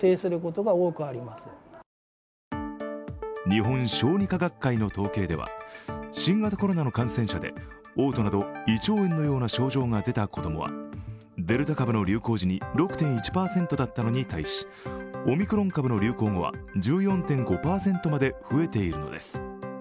日本小児科学会の統計では、新型コロナの感染者でおう吐など胃腸炎のような症状が出た子供はデルタ株の流行時に６．１％だったのに対し、オミクロン株の流行後は１４．５％まで増えているのです。